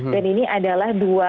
dan ini adalah berarti